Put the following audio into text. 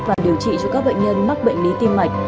và điều trị cho các bệnh nhân mắc bệnh lý tim mạch